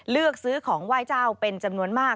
เลือกซื้อของไหว้เจ้าเป็นจำนวนมาก